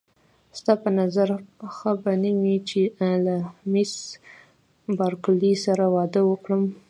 ستا په نظر ښه به نه وي چې له مېس بارکلي سره واده وکړم.